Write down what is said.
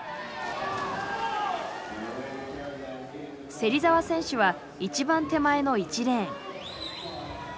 芹澤選手は一番手前の１レーン。